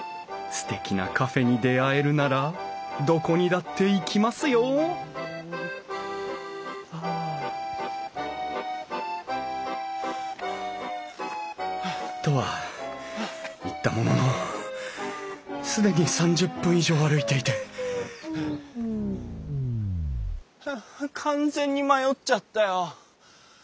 すてきなカフェに出会えるならどこにだって行きますよ！とは言ったものの既に３０分以上歩いていてはあ完全に迷っちゃったよ。